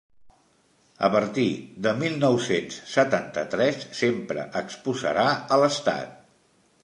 A partir de mil nou-cents setanta-tres sempre exposarà a l’estat.